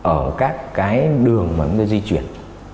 ở các cái đường mà nó di chuyển